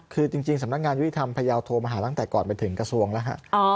คือจริงสำนักงานยุติธรรมพยาวโทรมาหาตั้งแต่ก่อนไปถึงกระทรวงแล้วฮะ